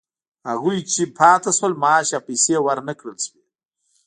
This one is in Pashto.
هغوی چې پاتې شول معاش یا پیسې ورنه کړل شوې